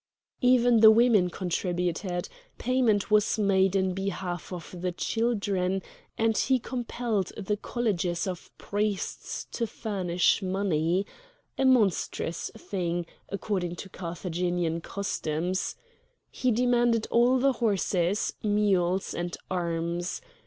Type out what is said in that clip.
Even the women contributed; payment was made in behalf of the children, and he compelled the colleges of priests to furnish money—a monstrous thing, according to Carthaginian customs. He demanded all the horses, mules, and arms.